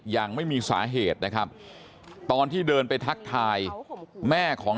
ยังไม่มีสาเหตุนะครับตอนที่เดินไปทักทายแม่ของ